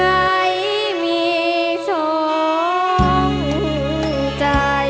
ไหนมีสองใจ